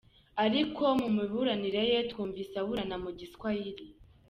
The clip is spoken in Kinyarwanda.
Ariko mu miburanire ye twumvise aburana mu giswahili.